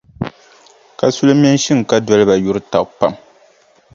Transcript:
Kasuli mini Shinkadoliba yuri taba pam.